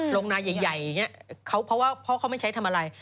ลงหน้าใหญ่เฉยเค้าเพราะว่าเขาไม่ใช้ทำอะไร